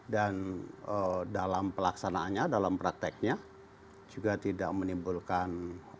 dan dalam pelaksanaannya dalam prakteknya juga tidak menimbulkan